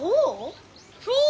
そう？